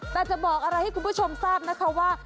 แต่จะบอกอะไรให้คุณผู้ชมทราบนะคะว่า